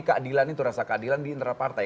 keadilan itu rasa keadilan di internal partai